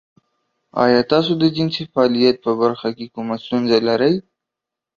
ایا تاسو د جنسي فعالیت په برخه کې کومه ستونزه لرئ؟